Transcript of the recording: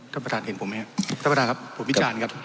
ท่านประธานเห็นผมไหมครับท่านประธานครับผมวิจารณ์ครับ